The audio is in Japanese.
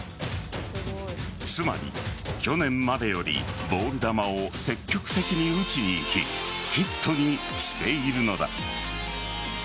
つまり去年までよりボール球を積極的に打ちにいきヒットにしているのだ。